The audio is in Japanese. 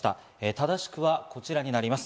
正しくはこちらになります。